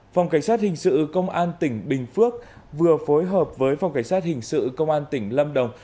phòng cảnh sát hình sự công an tỉnh bình phước vừa phối hợp với phòng cảnh sát hình sự công an tỉnh lâm đồng